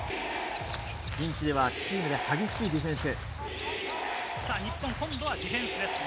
ピンチではチームで激しいディフェンス。